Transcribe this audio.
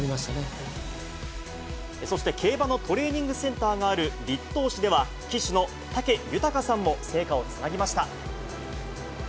そして競馬のトレーニングセンターがある栗東市では、騎手の武豊さんも聖火をつなぎました。